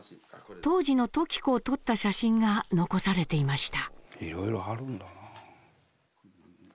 当時の時子を撮った写真が残されていました。